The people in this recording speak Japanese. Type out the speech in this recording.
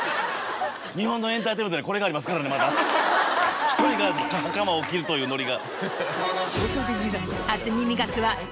日本のエンターテインメントにはこれがありますからねまだ。というノリが。